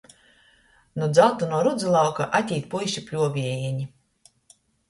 Nu dzaltanuo rudzu lauka atīt puiši pļuoviejeni.